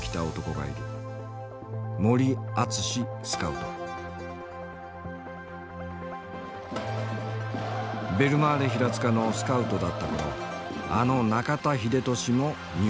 ベルマーレ平塚のスカウトだった頃あの中田英寿も入団させた。